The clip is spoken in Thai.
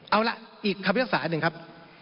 เอาละอีกคำยกษาหนึ่งครับ